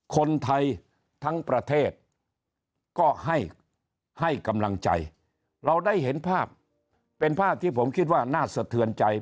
คนไทยทั้งประเทศก็ให้ให้กำลังใจเราได้เห็นภาพเป็นภาพที่ผมคิดว่าน่าสะเทือนใจ